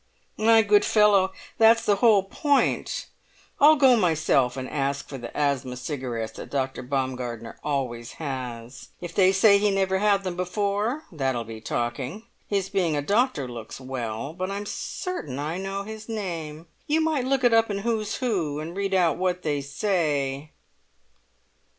"My good fellow, that's the whole point! I'll go myself and ask for the asthma cigarettes that Dr. Baumgartner always has; if they say he never had them before, that'll be talking. His being a doctor looks well. But I'm certain I know his name; you might look it up in Who's Who, and read out what they say."